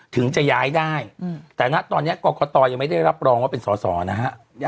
ถึงจะย้ายได้แต่ณตอนนี้กรกตยังไม่ได้รับรองว่าเป็นสอสอนะฮะ